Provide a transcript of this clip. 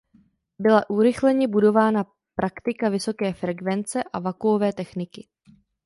Byla urychleně budována praktika vysoké frekvence a vakuové techniky.